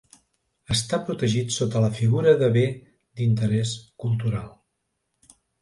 Està protegit sota la figura de Bé d'Interès Cultural.